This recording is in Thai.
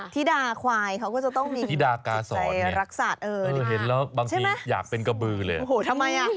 ธิดาควายเขาก็จะต้องมีจิตใจรักษาดีกว่าใช่ไหมโอ้โหทำไม